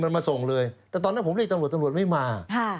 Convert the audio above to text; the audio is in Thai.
มันมาส่งเลยแต่ตอนนั้นผมเรียกตำรวจตำรวจไม่มา